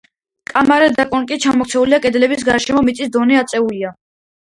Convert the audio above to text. კამარა და კონქი ჩამოქცეულია, კედლების გარშემო მიწის დონე აწეულია.